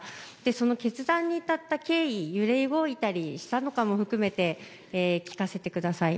その決断に至った経緯揺れ動いたりしたのかも含めて聞かせてください。